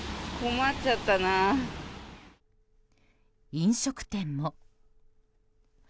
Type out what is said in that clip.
飲食店も。